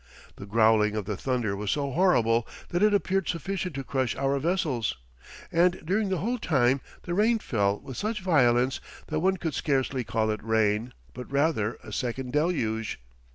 The growling of the thunder was so horrible that it appeared sufficient to crush our vessels; and during the whole time the rain fell with such violence that one could scarcely call it rain, but rather a second Deluge.